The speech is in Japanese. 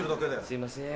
すいません。